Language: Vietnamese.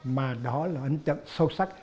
mà đó là ấn tượng sâu sắc